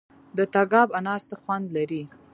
د تګاب انار څه خوند لري؟